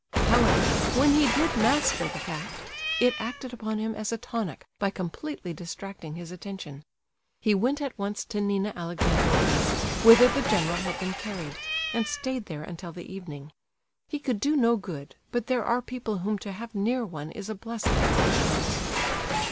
However, when he did master the fact, it acted upon him as a tonic by completely distracting his attention. He went at once to Nina Alexandrovna's, whither the general had been carried, and stayed there until the evening. He could do no good, but there are people whom to have near one is a blessing at such times.